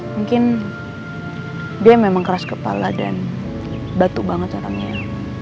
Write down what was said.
mungkin dia memang keras kepala dan batu banget orangnya